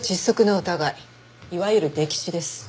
いわゆる溺死です。